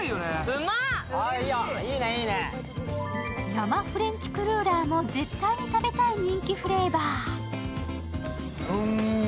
生フレンチクルーラーも絶対に食べたい人気フレーバー。